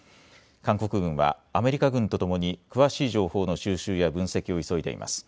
韓国軍はアメリカ軍とともに詳しい情報の収集や分析を急いでいます。